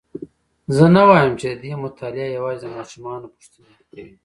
زه نه وایم چې ددې مطالعه یوازي د ماشومانو پوښتني حل کوي.